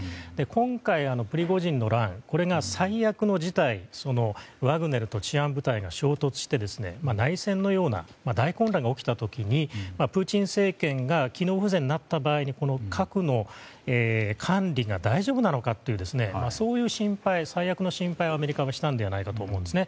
今回、プリゴジンの乱が最悪の事態ワグネルと治安部隊が衝突して内戦のような大混乱が起きた時プーチン政権が機能不全になった場合に核の管理が大丈夫なのかというそういう心配最悪の心配をアメリカはしたのではないかと思います。